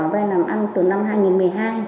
vay làm ăn từ năm hai nghìn một mươi hai